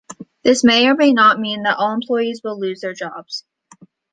This may or may not mean that all employees will lose their jobs.